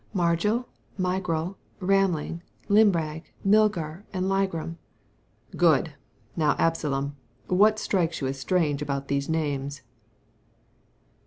^'Margil, Migral, Ramlig, Limrag, Milgar, and Ligram.' "Good I Now, Absalom, what strikes you as strange about these names